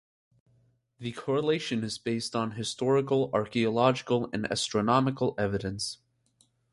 The correlation is based on historical, archaeological and astronomical evidence.